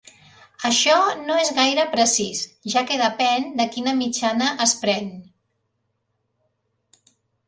Això no és gaire precís, ja que depèn de quina mitjana es pren.